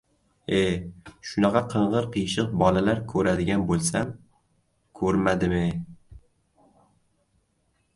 — E, shunaqa qing‘ir-qiyshiq bolalar ko‘radigan bo‘lsam, ko‘rmadim-e!